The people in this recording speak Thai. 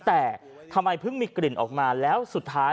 แต่ทำไมเพิ่งมีกลิ่นออกมาแล้วสุดท้าย